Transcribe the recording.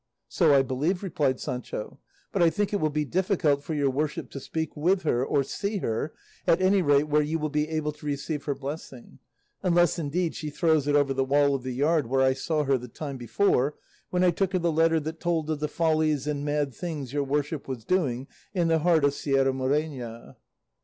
"So I believe," replied Sancho; "but I think it will be difficult for your worship to speak with her or see her, at any rate where you will be able to receive her blessing; unless, indeed, she throws it over the wall of the yard where I saw her the time before, when I took her the letter that told of the follies and mad things your worship was doing in the heart of Sierra Morena."